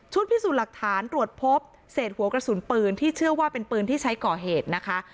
พิสูจน์หลักฐานตรวจพบเศษหัวกระสุนปืนที่เชื่อว่าเป็นปืนที่ใช้ก่อเหตุนะคะ